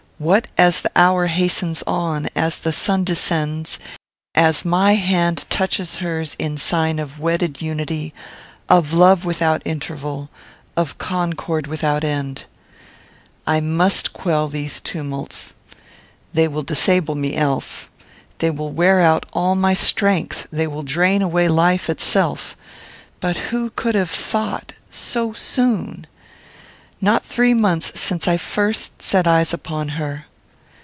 What as the hour hastens on; as the sun descends; as my hand touches hers in sign of wedded unity, of love without interval; of concord without end! I must quell these tumults. They will disable me else. They will wear out all my strength. They will drain away life itself. But who could have thought! So soon! Not three months since I first set eyes upon her.